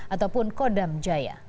ataupun kodam jaya